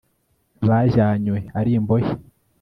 bajyanywe ari imbohe